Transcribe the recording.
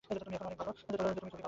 তুমি খুবই ভালো।